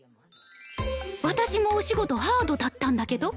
私もお仕事ハードだったんだけど？